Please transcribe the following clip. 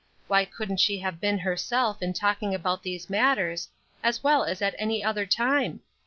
Why couldn't she have been herself in talking about these matters, as well as at any other time?